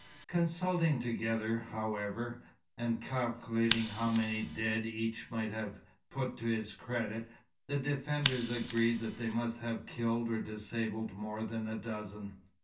Consulting together, however, and calculating how many dead each might put to his credit, the defenders agreed that they must have killed or disabled more than a dozen.